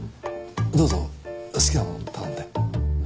どうぞ好きなものを頼んで。